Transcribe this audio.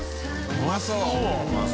うまそう。